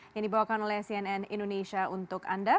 yang dibawakan oleh cnn indonesia untuk anda